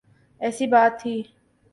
ایسی بات تھی۔